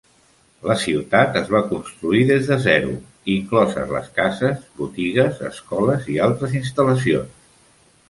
La ciutat es va construir des de zero, incloses les cases, botigues, escoles i altres instal·lacions.